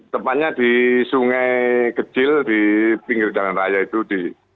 tepatnya di sungai kecil di pinggir jalan raya itu di